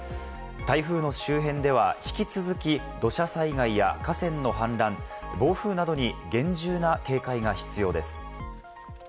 台風の周辺では、引き続き土砂災害や河川の氾濫、暴風などに厳重な警戒が必要です。